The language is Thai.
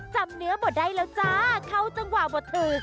เนื้อบทได้แล้วจ้าเข้าจังหวะบทถือ